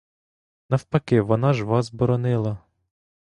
Навпаки — вона ж вас боронила.